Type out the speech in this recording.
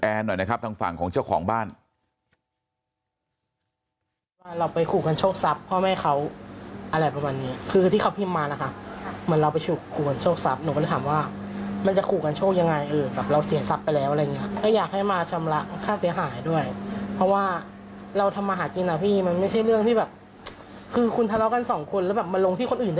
อ่าลองฟังเสียงของคุณแอนหน่อยนะครับทางฝั่งของเจ้าของบ้าน